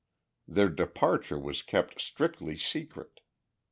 Their departure was kept strictly secret.